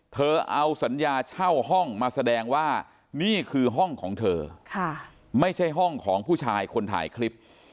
เธอเอาสัญญาเช่าห้องมาแสดงว่านี่คือห้องของเธอไม่ใช่ห้องของผู้ชายคนถ่ายคลิป